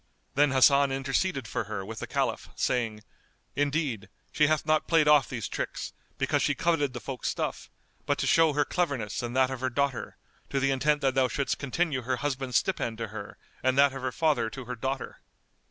Then Hasan interceded for her with the Caliph, saying, "Indeed, she hath not played off these tricks, because she coveted the folk's stuff, but to show her cleverness and that of her daughter, to the intent that thou shouldst continue her husband's stipend to her and that of her father to her daughter.